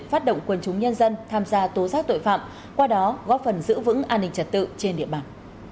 phát động quân chúng nhân dân tham gia tố giác tội phạm qua đó góp phần giữ vững an ninh trật tự trên địa bàn